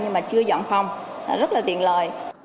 nhưng mà chưa dọn phòng rất là tiện lợi